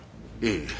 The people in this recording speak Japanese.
ええ。